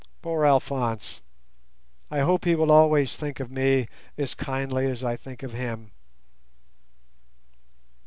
Poor Alphonse! I hope he will always think of me as kindly as I think of him.